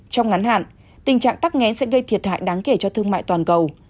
trong ngắn hạn tình trạng tắt ngén sẽ gây thiệt hại đáng kể cho thương mại toàn cầu